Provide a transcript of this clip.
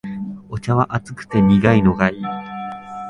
お茶は熱くて苦いのがいい